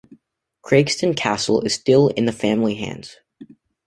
Craigston Castle is still in the family's hands.